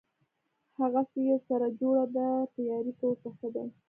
هغسې یې سره جوړه ده په یاري کې ورته ښه دي.